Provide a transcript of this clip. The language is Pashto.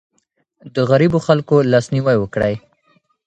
د غريبو خلګو لاسنيوی وکړئ.